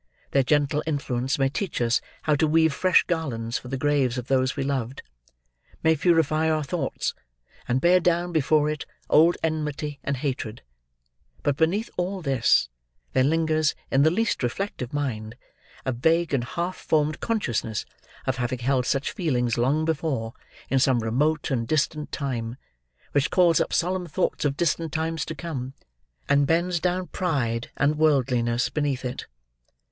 Their gentle influence may teach us how to weave fresh garlands for the graves of those we loved: may purify our thoughts, and bear down before it old enmity and hatred; but beneath all this, there lingers, in the least reflective mind, a vague and half formed consciousness of having held such feelings long before, in some remote and distant time, which calls up solemn thoughts of distant times to come, and bends down pride and worldliness beneath it.